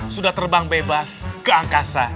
sudah terbang bebas ke angkasa